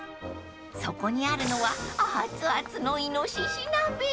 ［そこにあるのは熱々のいのしし鍋］